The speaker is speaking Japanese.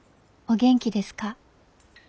お元気ですか？